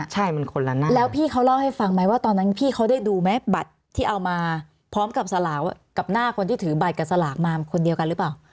ใช่มันคนละหน้าแล้วพี่เขาเล่าให้ฟังไหมว่าตอนนั้นพี่เขาได้ดูไหมบัตรที่เอามาพร้อมกับสลากกับหน้าคนที่ถือบัตรกับสลากมาคนเดียวกันหรือเปล่า